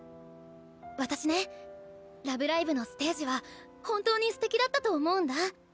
私ね「ラブライブ！」のステージは本当にステキだったと思うんだ。